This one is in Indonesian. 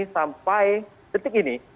sampai detik ini